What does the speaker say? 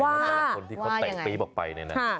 คือคนที่คำเดะปี๊บออกไป